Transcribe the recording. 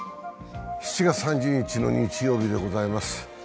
７月３０日の日曜日でございます。